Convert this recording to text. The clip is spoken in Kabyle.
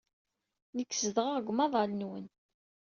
Nekk zedɣeɣ deg umaḍal-nwen.